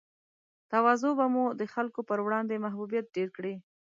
تواضع به مو د خلګو پر وړاندې محبوبیت ډېر کړي